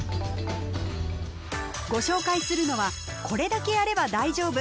ご紹介するのはこれだけやれば大丈夫！